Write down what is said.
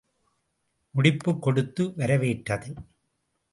முடிப்புக் கொடுத்து வரவேற்றது.